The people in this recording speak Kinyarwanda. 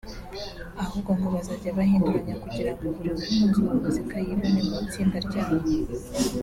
ahubwo ngo bazajya bazihinduranya kugira ngo buri mukunzi wa muzika yibone mu itsinda ryabo